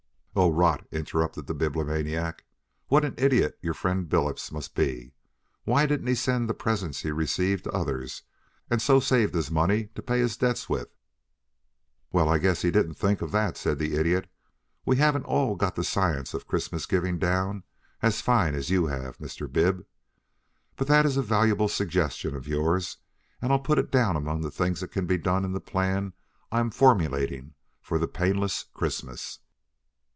"Oh, rot," interrupted the Bibliomaniac. "What an idiot your friend Billups must be. Why didn't he send the presents he received to others, and so saved his money to pay his debts with?" "Well, I guess he didn't think of that," said the Idiot. "We haven't all got the science of Christmas giving down as fine as you have, Mr. Bib. But that is a valuable suggestion of yours and I'll put it down among the things that can be done in the plan I am formulating for the painless Christmas."